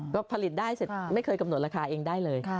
ก็ผลิตได้เสร็จไม่เคยกำหนดราคาเองได้เลย